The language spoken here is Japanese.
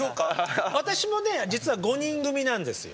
私もね実は５人組なんですよ。